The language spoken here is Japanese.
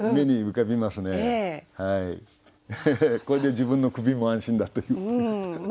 これで自分の首も安心だという。